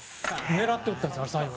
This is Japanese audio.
狙って打ったんですあれ、最後。